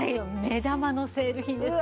目玉のセール品です。